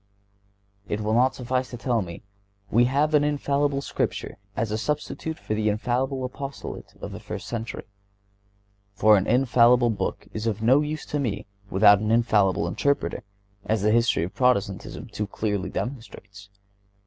It will not suffice to tell me: "We have an infallible Scripture as a substitute for an infallible apostolate of the first century," for an infallible book is of no use to me without an infallible interpreter, as the history of Protestantism too clearly demonstrates.